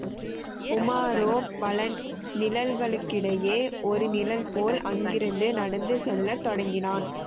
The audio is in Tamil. உமாரோ, பல நிழல்களுக்கிடையே ஒரு நிழல்போல் அங்கிருந்து நடந்து செல்லத் தொடங்கினான்.